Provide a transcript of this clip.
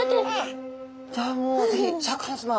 じゃあもう是非シャーク香音さま。